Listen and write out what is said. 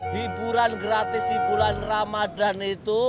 hiburan gratis di bulan ramadan itu